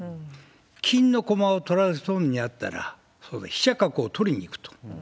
金の駒を取られそうになったら、飛車、角を取りに行くと。